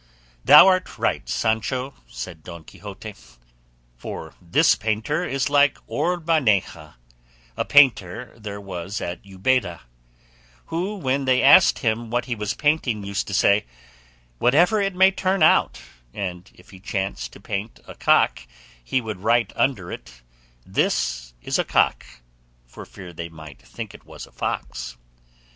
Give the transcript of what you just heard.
"Thou art right, Sancho," said Don Quixote, "for this painter is like Orbaneja, a painter there was at Ubeda, who when they asked him what he was painting, used to say, 'Whatever it may turn out; and if he chanced to paint a cock he would write under it, 'This is a cock,' for fear they might think it was a fox.